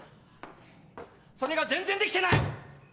それが全然できてない！